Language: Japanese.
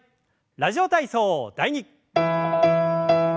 「ラジオ体操第２」。